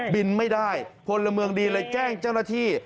บินไม่ได้คนละเมืองดีเลยแจ้งจักรที่